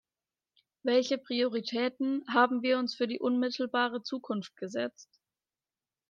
Welche Prioritäten haben wir uns für die unmittelbare Zukunft gesetzt?